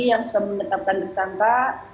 yang sudah menetapkan tersangka